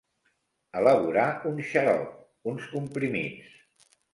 Elaborar un xarop, uns comprimits.